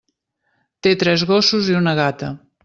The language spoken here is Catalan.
Té tres gossos i una gata.